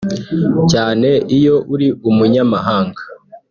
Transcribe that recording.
cyane iyo uri umunyamahanga